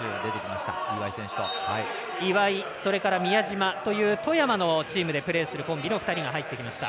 岩井、それから宮島という富山のチームでプレーするコンビの２人が入ってきました。